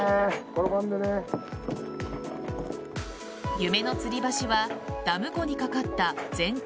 夢のつり橋はダム湖に架かった全長